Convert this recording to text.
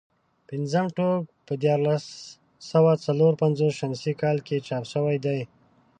پنځم ټوک په دیارلس سوه څلور پنځوس شمسي کال کې چاپ شوی دی.